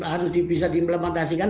harus bisa diimplementasikan